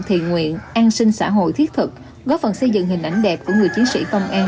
thiền nguyện an sinh xã hội thiết thực góp phần xây dựng hình ảnh đẹp của người chiến sĩ công an